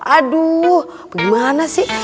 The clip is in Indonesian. aduh gimana sih